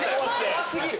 怖過ぎる。